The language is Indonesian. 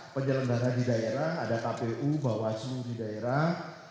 penyelenggara di daerah ada kpu bawah suhu di daerah